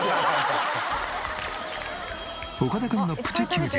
岡田君のプチ休日。